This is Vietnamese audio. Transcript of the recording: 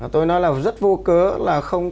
tôi nói là rất vô cớ là không